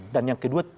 dan yang kedua